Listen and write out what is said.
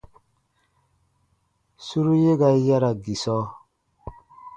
Suru ye ga yara gisɔ.